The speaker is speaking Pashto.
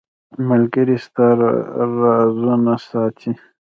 • ملګری ستا رازونه ساتي.